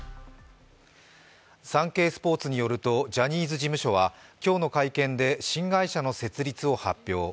「サンケイスポーツ」によるとジャニーズ事務所は今日の会見で新会社の設立を発表。